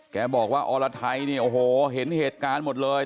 แกบอกว่าอรไทยเนี่ยโอ้โหเห็นเหตุการณ์หมดเลย